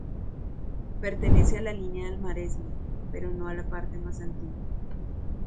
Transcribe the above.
Pertenece a la línea del Maresme, pero no a la parte más antigua.